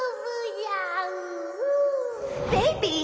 ベイビー！